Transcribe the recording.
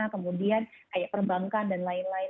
kemudian kayak perbankan dan lain lain